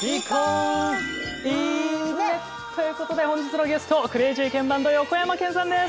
いいね！ということで本日のゲストクレイジーケンバンド横山剣さんです！